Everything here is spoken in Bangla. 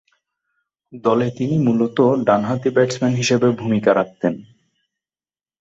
দলে তিনি মূলতঃ ডানহাতি ব্যাটসম্যান হিসেবে ভূমিকা রাখতেন।